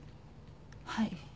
はい。